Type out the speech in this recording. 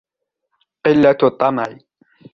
قِلَّةُ الطَّمَعِ